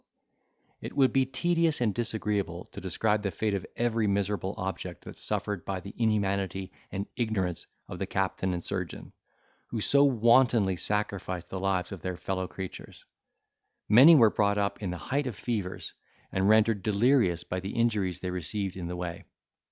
It would be tedious and disagreeable to describe the fate of every miserable object that suffered by the inhumanity and ignorance of the captain and surgeon, who so wantonly sacrificed the lives of their fellow creatures. Many were brought up in the height of fevers, and rendered delirious by the injuries they received in the way.